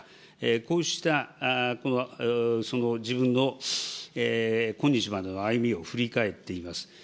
こうしたその自分の今日までの歩みを振り返っています。